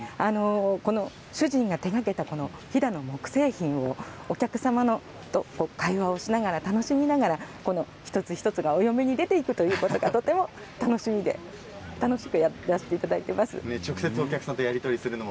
主人が手がけた飛騨の木製品をお客様と会話をしながら楽しみながら一つ一つお嫁に出ていくということがとても楽しみで楽しくやらせていただいています。